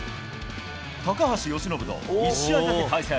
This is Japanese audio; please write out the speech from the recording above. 高橋由伸と１試合だけ対戦。